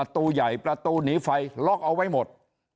ที่หนีไฟล็อกเอาไว้หมด